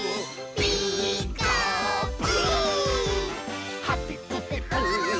「ピーカーブ！」